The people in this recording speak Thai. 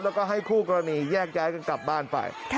แล้วก็ให้คู่กรณีแยกย้ายกันกลับบ้านไป